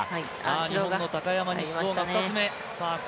日本の高山に指導が２つ目。